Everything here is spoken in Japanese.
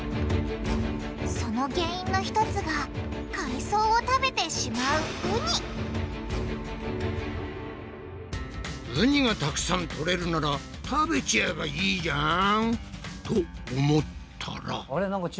その原因の１つが海藻を食べてしまうウニウニがたくさんとれるなら食べちゃえばいいじゃん！と思ったら。